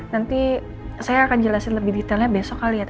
nanti saya akan jelasin lebih detailnya besok kali ya